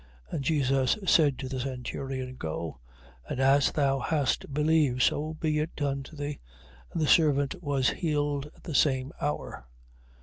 8:13. And Jesus said to the centurion: Go, and as thou hast believed, so be it done to thee. And the servant was healed at the same hour.